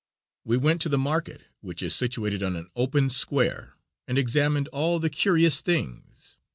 We went to the market, which is situated on an open square, and examined all the curious things.